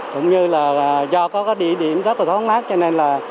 cũng như là do có cái địa điểm rất là thoáng lát cho nên là